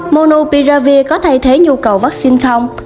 monopiravir có thay thế nhu cầu vaccine không